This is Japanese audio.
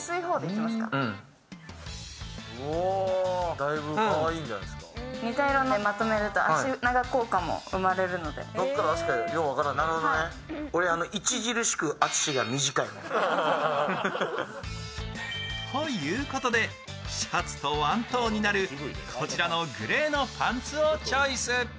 だいぶ、かわいいんじゃないですか？ということで、シャツとワントーンになるこちらのグレーのパンツをチョイス。